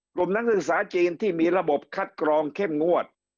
นักศึกษาจีนที่มีระบบคัดกรองเข้มงวด